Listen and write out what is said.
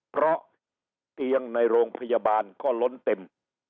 เพราะเตียงในโรงพยาบาลก็ล้นเต็ม